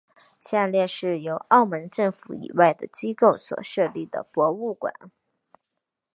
下列是由澳门政府以外的机构所设立的博物馆。